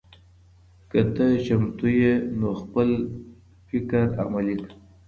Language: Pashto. که ته چمتو یې نو خپل فکر عملي کړه.